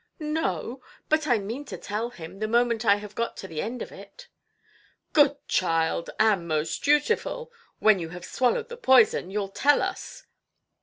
"No; but I mean to tell him, the moment I have got to the end of it". "Good child, and most dutiful! When you have swallowed the poison, youʼll tell us".